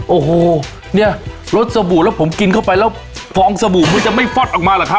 โอ้โหเนี่ยรสสบู่แล้วผมกินเข้าไปแล้วฟองสบู่มันจะไม่ฟอดออกมาเหรอครับ